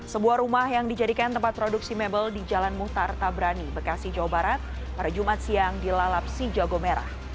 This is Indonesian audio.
sebuah rumah yang dijadikan tempat produksi mebel di jalan muhtar tabrani bekasi jawa barat pada jumat siang dilalap si jago merah